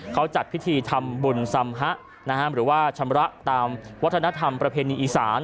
เขาจัดพิธีทำบุญสำหะหรือว่าชำระตามวัฒนธรรมประเพณีอีสาน